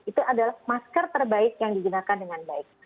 itu adalah masker terbaik yang digunakan dengan baik